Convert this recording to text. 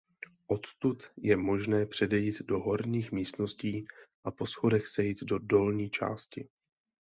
Odtud je možné přejít do horních místností a po schodech sejít do dolní části.